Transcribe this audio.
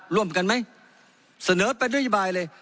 ร่วมกันไหมเสนอไปด้วยเยอะบายเลย